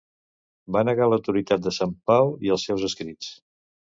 Va negar l'autoritat de Sant Pau i els seus escrits.